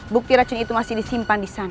bukti racun itu masih disimpan disana